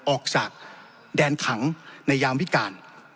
ออกจากแดนขังในยามวิการ